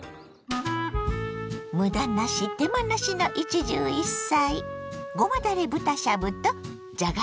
むだなし手間なしの一汁一菜。